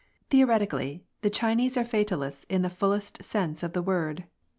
Theoretically, the Chinese are fatalists in the fullest sense of the word.